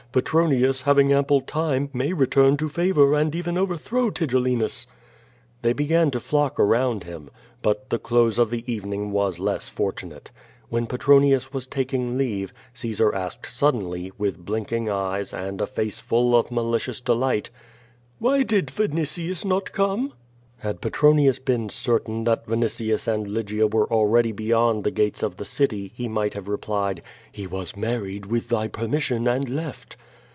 Petronius, having ample time, may return to favor and even overthrow Tigellinus." They began to flock around him. But the close of the evening was less fortunate. When Petronius was taking leave, Caesar asked suddenly, with blinking eyes, and a face full of malicious delight: "Why did Vinitius not come?" Had Petronius been certain that Vinitius and Lygia were already beyond the gates of the city, he might have replied: "He was married, with thy permission, and left."